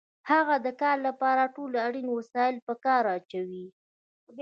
هغه د کار لپاره ټول اړین وسایل په کار اچوي